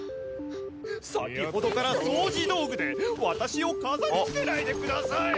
先ほどから掃除道具で私を飾り付けないでください！あっ。